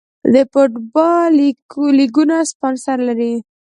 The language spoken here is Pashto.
د فوټبال لیګونه سپانسر لري